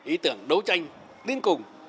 ý tưởng đấu tranh đến cùng